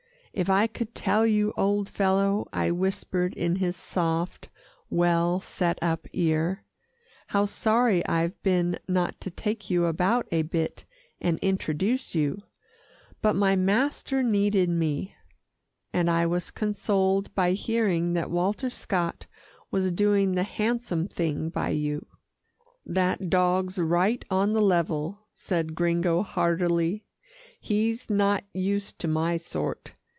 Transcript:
"If I could tell you, old fellow," I whispered in his soft, well set up ear, "how sorry I've been not to take you about a bit and introduce you, but my master needed me, and I was consoled by hearing that Walter Scott was doing the handsome thing by you." "That dog's right on the level," said Gringo heartily. "He's not used to my sort.